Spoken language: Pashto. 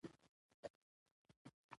عبارت نحوي تړاو لري.